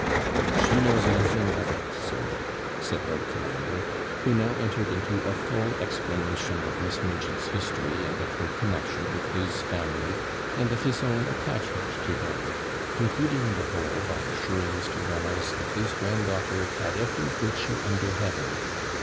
'She knows nothing of it, sir,' said Lord Colambre, who now entered into a full explanation of Miss Nugent's history, and of her connexion with his family, and of his own attachment to her; concluding the whole by assuring Mr. Reynolds that his grand daughter had every virtue under heaven.